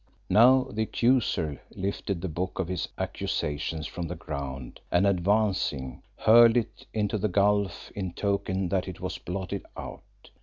Now the Accuser lifted the book of his accusations from the ground and, advancing, hurled it into the gulf in token that it was blotted out.